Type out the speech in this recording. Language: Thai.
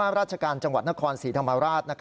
ล่าสุดราชการจังหวัดนครสีธรรมราช